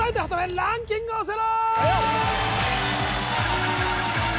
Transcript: ランキングオセロ